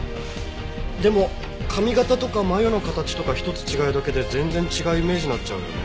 でも髪形とか眉の形とか一つ違うだけで全然違うイメージになっちゃうよね。